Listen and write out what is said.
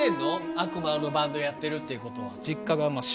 悪魔のバンドやってることは。